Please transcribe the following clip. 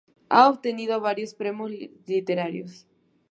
Ha obtenido varios premios literarios.